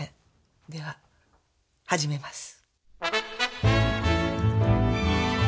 では始めます。